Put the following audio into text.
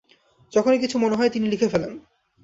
যখনই কিছু মনে হয় তিনি লিখে ফেলেন।